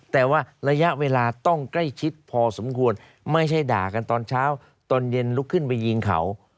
แต่ว่าระยะเวลาต้องใกล้ชิดพอสมควรไม่ใช่ด่ากันตอนเช้าตอนเย็นลุกขึ้นไปยิงเขา